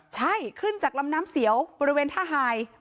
ใช่ขึ้นจากลำน้ำเสียวบริเวณท่าหาย